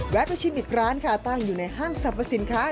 ไปชิมอีกร้านค่ะตั้งอยู่ในห้างสรรพสินค้า